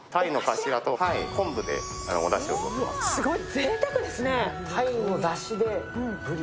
すごい、ぜいたくですね。